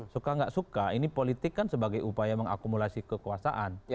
suka atau tidak suka ini politik sebagai upaya mengakumulasi kekuasaan